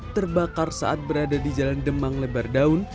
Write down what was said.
terbakar saat berada di jalan demang lebar daun